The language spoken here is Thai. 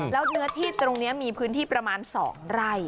แล้วเนื้อที่ตรงนี้มีพื้นที่ประมาณ๒ไร่